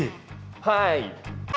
はい。